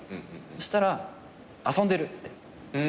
そしたら「遊んでる」って。